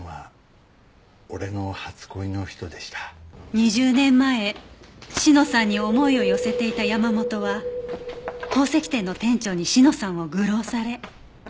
２０年前志乃さんに思いを寄せていた山元は宝石店の店長に志乃さんを愚弄され。